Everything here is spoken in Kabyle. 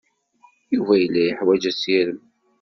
Yuba yella yeḥwaj assirem.